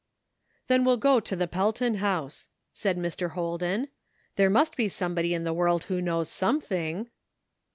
"Then we'll go to the Pelton House," said Mr. Holden ;" there must be somebody in the world who knows something."